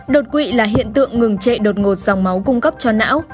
đột quỵ là hiện tượng ngừng trệ đột ngột dòng máu cung cấp cho não